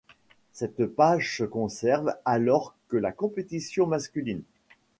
Cette page ce concerne alors que la compétition masculine.